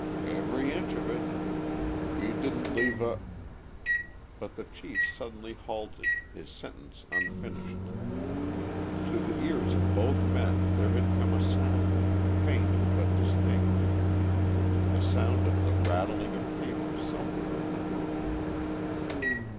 "Every inch of it. We didn't leave a " But the chief suddenly halted, his sentence unfinished. To the ears of both men there had come a sound, faint but distinct. The sound of the rattling of paper somewhere in the room.